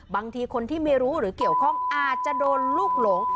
บางทีคนที่ไม่รู้หรือเกี่ยวข้องอาจจะโดนลูกหลง